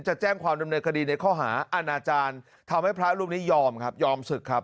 จะแจ้งความดำเนินคดีในข้อหาอาณาจารย์ทำให้พระรูปนี้ยอมครับยอมศึกครับ